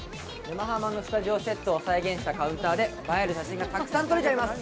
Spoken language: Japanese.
「沼ハマ」のスタジオセットを再現したカウンターで映える写真がたくさん撮れちゃいます。